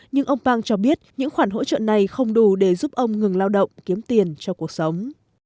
nhưng ông pang cho biết những khoản hỗ trợ này không đủ để giúp ông ngừng lao động kiếm tiền cho cuộc sống